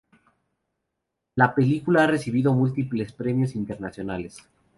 La película ha recibido múltiples premios internacionales